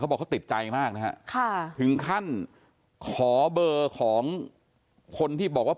บอกเขาติดใจมากนะฮะค่ะถึงขั้นขอเบอร์ของคนที่บอกว่า